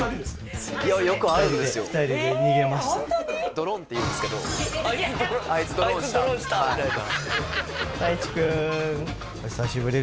ドロンっていうんですけどあいつドロンしたあいつドロンしたみたいな？